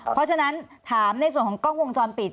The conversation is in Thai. เพราะฉะนั้นถามในส่วนของกล้องวงจรปิด